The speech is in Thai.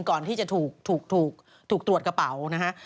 ก่อนที่จะถูกตรวจกระเป๋านะฮะ